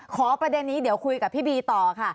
ประเด็นนี้เดี๋ยวคุยกับพี่บีต่อค่ะ